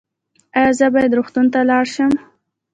ایا زه باید روغتون ته لاړ شم؟